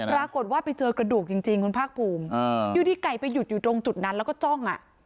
ปรากฏว่าไปเจอกระดูกจริงคุณภาคภูมิอยู่ดีไก่ไปหยุดอยู่ตรงจุดนั้นแล้วก็จ้องอ่ะ